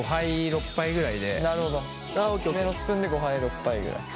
大きめのスプーンで５杯６杯ぐらい。